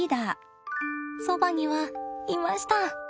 そばにはいました。